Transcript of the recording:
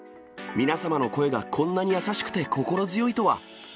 皆様の声がこんなに優しくて心強いとは！